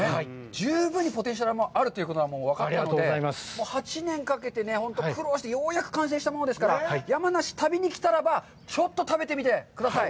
十分にポテンシャルもあるということは分かったので、８年かけて本当に苦労してようやく完成したものですから、山梨、旅に来たらばちょっと食べてみてください。